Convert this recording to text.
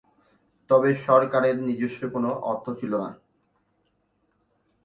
তবে সরকারের নিজস্ব কোন অর্থ ছিল না।